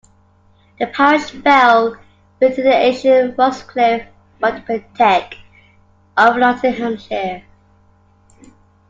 The parish fell within the ancient Rushcliffe wapentake of Nottinghamshire.